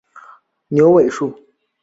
牛尾树